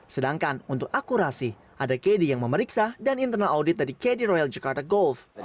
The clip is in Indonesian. sedangkan untuk akurasi ada kd yang memeriksa dan internal audit dari kd royal jakarta golf